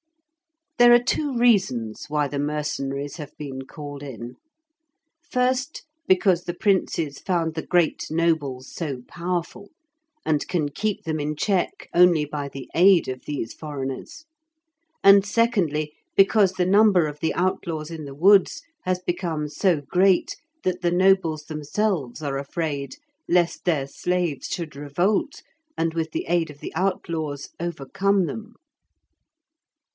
There are two reasons why the mercenaries have been called in; first, because the princes found the great nobles so powerful, and can keep them in check only by the aid of these foreigners; and secondly, because the number of the outlaws in the woods has become so great that the nobles themselves are afraid lest their slaves should revolt, and, with the aid of the outlaws, overcome them.